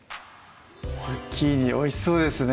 ズッキーニおいしそうですね